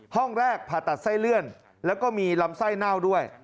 ห้องแรกผ่าตัดไส้เลื่อนแล้วก็มีลำไส้เน่าด้วย